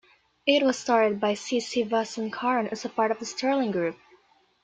It was started by C Sivasankaran as part of Sterling Group.